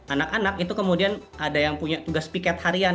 anak anak itu kemudian ada yang punya tugas piket harian